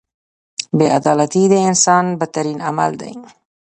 • بې عدالتي د انسان بدترین عمل دی.